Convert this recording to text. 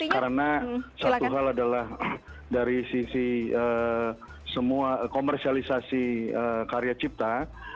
karena satu hal adalah dari sisi semua komersialisasi karya cipta